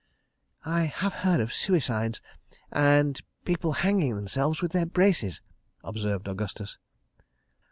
"I have heard of suicides—and—people hanging themselves with their braces," observed Augustus.